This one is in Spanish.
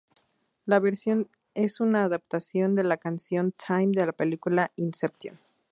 La versión es una adaptación de la canción "Time" de la película "Inception".